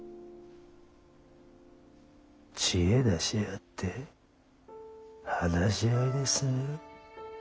知恵出し合って話し合いで進める？